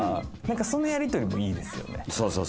そのやり取りもいいですよね。